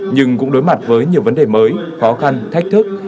nhưng cũng đối mặt với nhiều vấn đề mới khó khăn thách thức